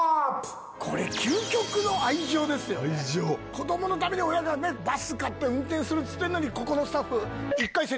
子供のために親がバス買って運転するっつってんのにここのスタッフ。ね！